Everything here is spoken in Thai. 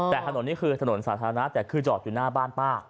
แต่ถนนนี้คือถนนสาธารณะแต่คือจอดอยู่หน้าบ้านป้า